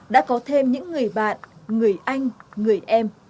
đã có thêm những người bạn người anh người em